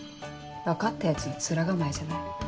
分かったヤツの面構えじゃない。